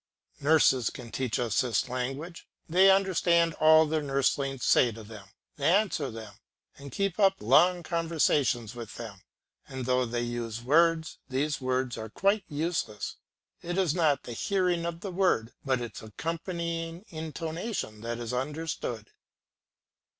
Nurses can teach us this language; they understand all their nurslings say to them, they answer them, and keep up long conversations with them; and though they use words, these words are quite useless. It is not the hearing of the word, but its accompanying intonation that is understood.